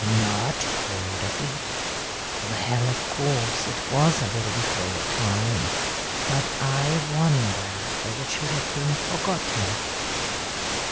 Not heard of it? Well, of course, it was a little before your time, but I wonder that it should have been forgotten.